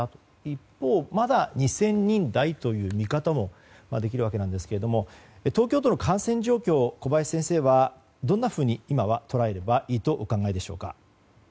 一方、まだ２０００人台という見方もできるわけですけれども東京都の感染状況を小林先生はどんなふうに、今は捉えればいいとお考えでしょう。